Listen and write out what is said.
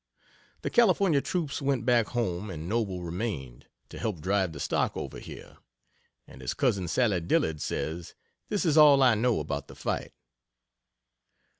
The California troops went back home, and Noble remained, to help drive the stock over here. And, as Cousin Sally Dillard says, this is all I know about the fight.